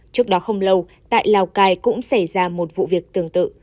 trước đó không lâu tại lào cai cũng xảy ra một vụ việc tương tự